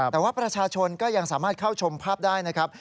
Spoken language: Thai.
แต่ว่าประชาชนก็ยังสามารถเข้าชมภาพได้นะครับ